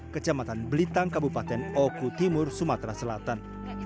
kecamatan belitang kabupaten oku timur sumatera selatan